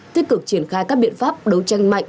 tích cực triển khai các biện pháp đấu tranh mạnh